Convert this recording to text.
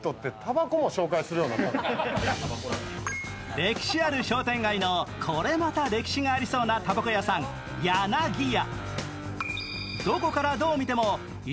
歴史ある商店街のこれまた歴史がありそうなたばこ屋さん、やなぎや。